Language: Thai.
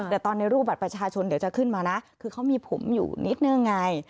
แต่ตอนในรูปบัตรประชาชนเดี๋ยวจะขึ้นมานะคือเขามีผมอยู่นิดนึงไง